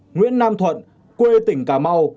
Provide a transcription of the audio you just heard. nguyễn nam thuận quê tỉnh cà mau